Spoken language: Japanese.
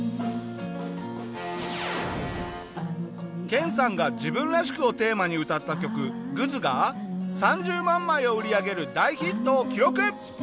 研さんが「自分らしく」をテーマに歌った曲『愚図』が３０万枚を売り上げる大ヒットを記録。